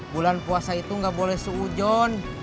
bulan puasa itu gak boleh seujun